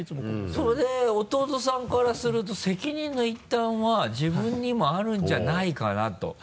それで弟さんからすると責任の一端は自分にもあるんじゃないかな？と。